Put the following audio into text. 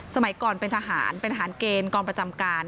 สมัยก่อนเป็นทหารเกณฑ์กรประจำการ